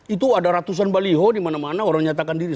itu ada ratusan baliho dimana mana orang nyatakan diri